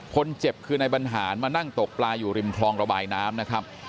คนเจ็บคือนายบรรหารมานั่งตกปลาอยู่ริมคลองระบายน้ำนะครับ